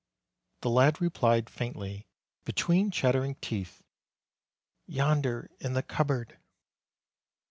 The lad replied faintly, between chattering teeth, "Yonder in the cupboard."